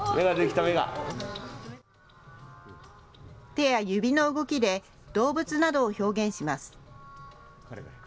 手や指の動きで動物などを表現します。